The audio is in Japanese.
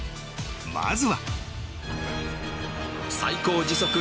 まずは